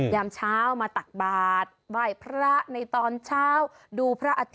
ยามเช้ามาตักบาทไหว้พระในตอนเช้า